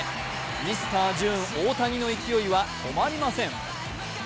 ミスター・ジューン、大谷の勢いは止まりません。